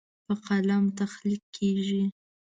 په قلم تخلیق کیږي.